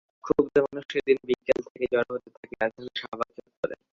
ক্ষুব্ধ মানুষ সেদিন বিকেল থেকে জড়ো হতে থাকে রাজধানীর শাহবাগ চত্বরে।